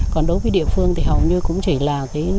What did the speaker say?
còn đối với địa phương thì hầu như cũng chỉ là